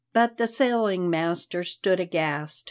But the sailing master stood aghast.